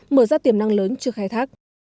mở ra tiềm năng lớn trước khai thác